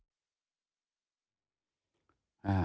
อ่า